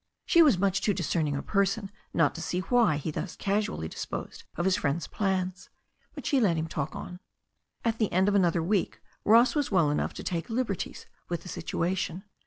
She was much too discern ing a person not to see why he thus casually disposed of his friend's plans. But she let him talk on. At the end of another week Ross was well enough to take liberties with the situation.